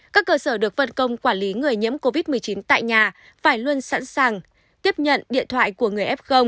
các cơ sở được phân công quản lý người nhiễm covid một mươi chín tại nhà phải luôn sẵn sàng tiếp nhận điện thoại của người f